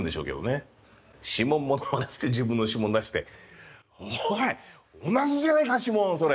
指紋モノマネっつって自分の指紋出しておい同じじゃねえか指紋それ！